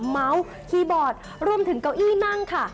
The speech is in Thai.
เมาส์คีย์บอร์ดรวมถึงเก้าอี้นั่งค่ะ